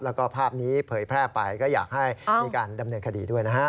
แล้วก็ภาพนี้เผยแพร่ไปก็อยากให้มีการดำเนินคดีด้วยนะฮะ